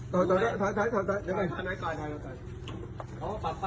ให้ดูเล็กเครื่องเรา